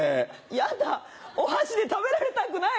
やだお箸で食べられたくない。